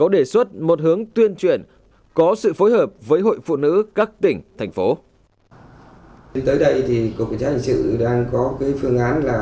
để phổ biến đến hội liên hiệp phụ nữ tỉnh đến huyện đến xã và đến thôn